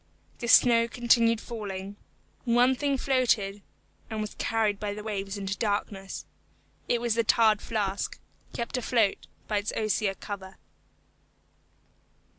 The snow continued falling. One thing floated, and was carried by the waves into the darkness. It was the tarred flask, kept afloat by its osier cover.